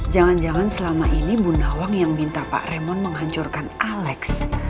jangan jangan selama ini bu nawang yang minta pak raymond menghancurkan alex